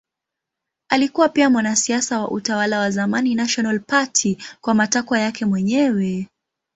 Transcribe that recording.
Alikuwa pia mwanasiasa wa utawala wa zamani National Party kwa matakwa yake mwenyewe.